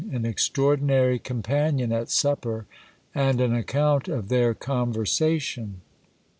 — An extraordinary companion at supper ; and an account 0/ their conversation.